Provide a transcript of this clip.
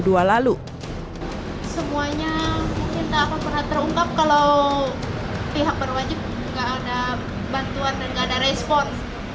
semuanya mungkin tak akan pernah terungkap kalau pihak berwajib nggak ada bantuan dan nggak ada respons